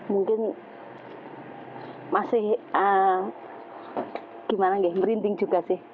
mungkin masih gimana ya merinding juga sih